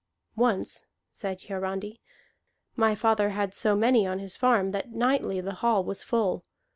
"Once," said Hiarandi, "my father had so many on his farm that nightly the hall was full.